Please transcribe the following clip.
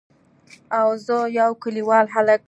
او زه يو کليوال هلک.